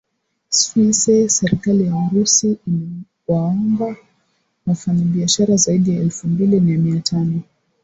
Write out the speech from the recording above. swisse serikali ya urusi imewaomba wafanyi biashara zaidi ya elfu mbili na mia tano